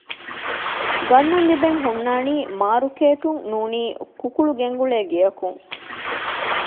ގަންނަން ލިބެން ހުންނާނީ މާރުކޭޓުން ނޫނީ ކުކުޅު ގެންގުޅޭ ގެއަކުން